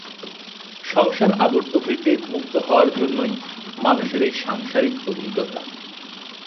সংসার-আবর্ত হইতে মুক্ত হওয়ার জন্যই মানুষের এই সাংসারিক অভিজ্ঞতা।